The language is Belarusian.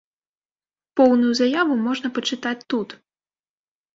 Поўную заяву можна пачытаць тут.